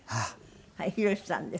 はいヒロシさんです。